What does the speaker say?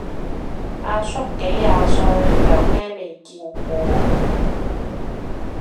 阿叔幾廿歲，有咩未見過